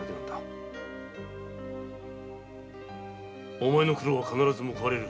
お前の苦労は必ずむくわれる。